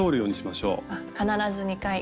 必ず２回。